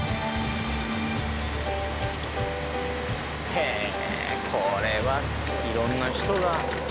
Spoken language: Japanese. へえこれは色んな人が。